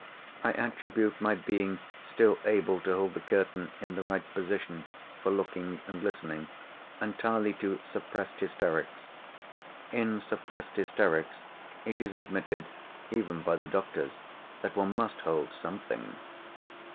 I attribute my being still able to hold the curtain in the right position for looking and listening, entirely to suppressed hysterics. In suppressed hysterics, it is admitted, even by the doctors, that one must hold something.